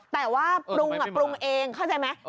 แต่ว่าปรุงปรุงเองเข้าใจไหม